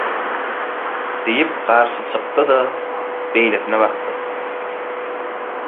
diýip garşy çykdy-da beýlesine bakdy.